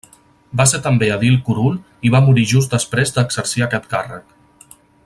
Va ser també edil curul i va morir just després d'exercir aquest càrrec.